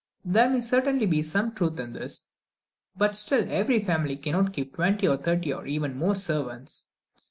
There may certainly be some truth in this, but still every family cannot keep twenty, thirty, or even more servants.